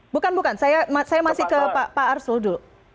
bukan bukan saya masih ke pak arsul dulu